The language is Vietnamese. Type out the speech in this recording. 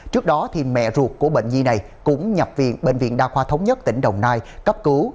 trước đó mẹ ruột của bệnh nhi này cũng nhập viện bệnh viện đa khoa thống nhất tỉnh đồng nai cấp cứu